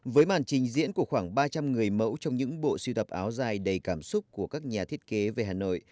với màn trình diễn của khoảng ba trăm linh người mẫu trong những bộ siêu tập áo dài đầy cảm xúc của các nhà thiết kế về hà nội